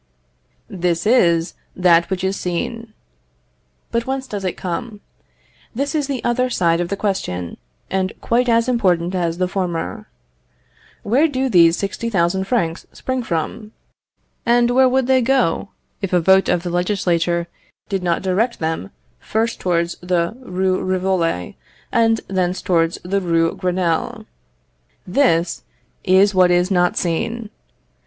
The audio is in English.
This is that which is seen. But whence does it come? This is the other side of the question, and quite as important as the former. Where do these 60,000 francs spring from? and where would they go, if a vote of the legislature did not direct them first towards the Rue Rivoli and thence towards the Rue Grenelle? This is what is not seen.